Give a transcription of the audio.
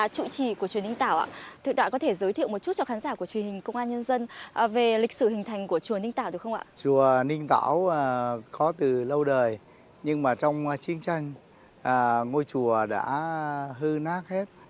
chùa ninh tảo có từ lâu đời nhưng trong chiến tranh ngôi chùa đã hư nát hết